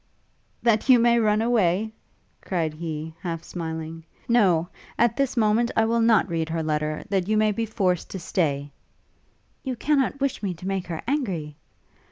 'That you may run away?' cried he, half smiling; 'no, at this moment I will not read her letter, that you may be forced to stay!' 'You cannot wish me to make her angry?'